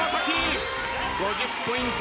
５０ポイント